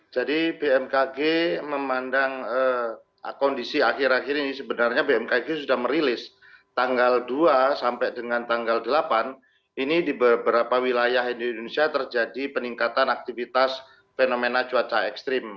jadi bmkg memandang kondisi akhir akhir ini sebenarnya bmkg sudah merilis tanggal dua sampai dengan tanggal delapan ini di beberapa wilayah indonesia terjadi peningkatan aktivitas fenomena cuaca ekstrim